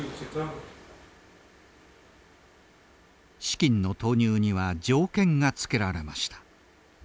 資金の投入には条件が付けられました。